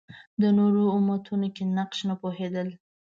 د نورو امتونو کې نقش نه پوهېدل